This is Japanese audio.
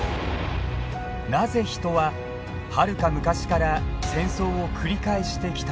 なぜ人ははるか昔から戦争を繰り返してきたのか。